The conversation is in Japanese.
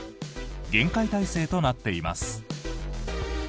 厳戒態勢となっています。